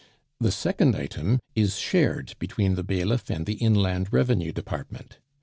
The second item is shared between the bailiff and the Inland Revenue Department.